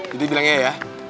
jadi dia bilang iya ya